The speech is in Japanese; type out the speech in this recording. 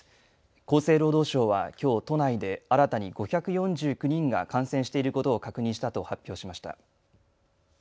厚生労働省はきょう都内で新たに５４９人が感染していることを確認したと発表しました。